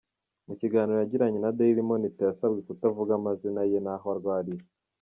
Mu kiganiro yagiranye na Daily Monitor yasabwe kutavuga amazina ye n’aho arwariye.